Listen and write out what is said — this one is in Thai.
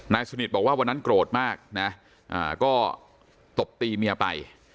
สนิทบอกว่าวันนั้นโกรธมากนะก็ตบตีเมียไป